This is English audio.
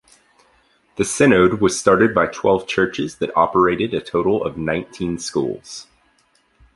The synod was started by twelve churches that operated a total of nineteen schools.